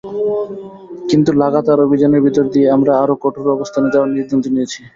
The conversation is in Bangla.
কিন্তু লাগাতার অভিযানের ভেতর দিয়ে আমরা আরও কঠোর অবস্থানে যাওয়ার সিদ্ধান্ত নিয়েছি।